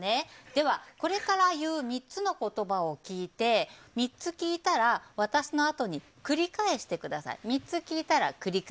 では、これから言う３つの言葉を聞いて３つ聞いたら私のあとに繰り返してください。